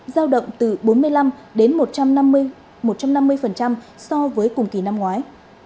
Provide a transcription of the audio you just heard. giao động từ bốn mươi năm đến một trăm năm mươi so với cùng kỳ năm ngoái